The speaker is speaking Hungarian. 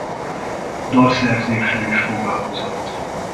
Dalszerzéssel is foglalkozott.